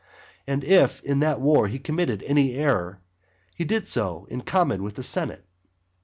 And if in that war he committed any error, he did so in common with the senate.